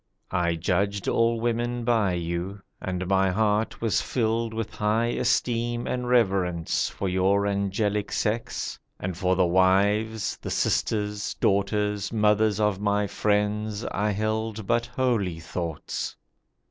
I judged all women by you, and my heart Was filled with high esteem and reverence For your angelic sex; and for the wives, The sisters, daughters, mothers of my friends I held but holy thoughts.